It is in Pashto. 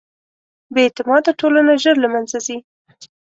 بېاعتماده ټولنه ژر له منځه ځي.